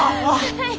はい。